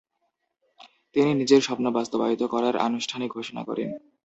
তিনি নিজের স্বপ্ন বাস্তবায়িত করার আনুষ্ঠানিক ঘোষণা করেন।